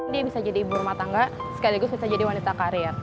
dia bisa jadi ibu rumah tangga sekaligus bisa jadi wanita karir